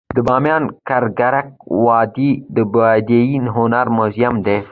د بامیانو ککرک وادي د بودايي هنر موزیم دی